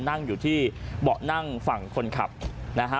นั่งอยู่ที่เบาะนั่งฝั่งคนขับนะฮะ